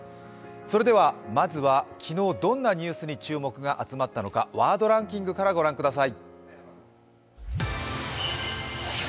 まずは昨日、どんなニュースに注目が集まったのかワードランキングから御覧ください。